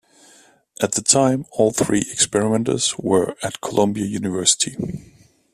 At the time, all three experimenters were at Columbia University.